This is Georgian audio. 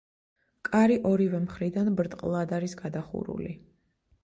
კარი ორივე მხრიდან ბრტყლად არის გადახურული.